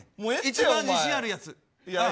一番自信があるやつ。